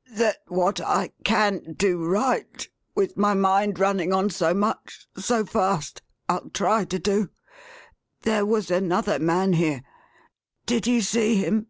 — that what I can do right, with my mind running on so much, so fast, Til try to do. There was another man here. Did you see him